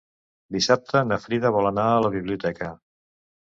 Dissabte na Frida vol anar a la biblioteca.